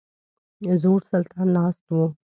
زوړ سلطان ناست وو.